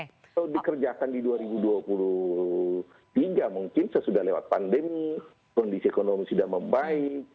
kalau dikerjakan di dua ribu dua puluh tiga mungkin sesudah lewat pandemi kondisi ekonomi sudah membaik